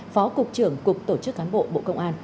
phó cục trưởng cục tổ chức cán bộ bộ công an